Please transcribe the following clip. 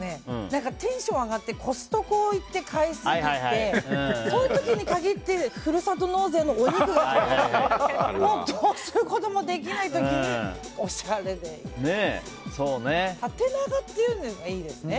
何かテンション上がってコストコ行って買いすぎてそういう時に限ってふるさと納税のお肉が届いてどうすることもできない時におしゃれで、いいですよね。